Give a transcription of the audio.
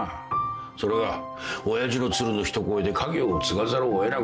それが親父の鶴の一声で家業を継がざるを得なくなった。